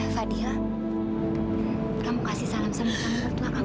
fadil kamu kasih salam salam ke bunda tua kamu sayang